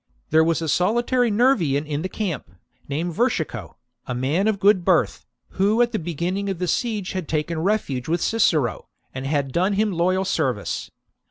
There was a solitary Nervian in the camp, named Vertico, a man of good birth, who at the beginning of the siege had taken refuge with Cicero, and had done him loyal service.